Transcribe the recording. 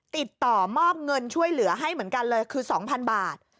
ติดต่อมอบเงินช่วยเหลือให้เหมือนกันเลยคือ๒๐๐๐บาท